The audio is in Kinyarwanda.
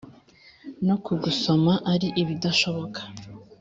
No kugusoma ari ibidashoboka